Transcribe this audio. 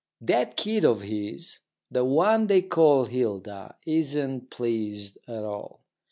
That kid of his, the one they call Hilda, isn't pleased at all.